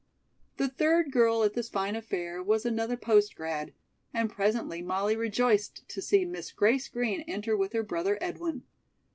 The third girl at this fine affair was another post grad., and presently Molly rejoiced to see Miss Grace Green enter with her brother, Edwin.